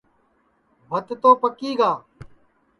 بھت تو پکی گا ہے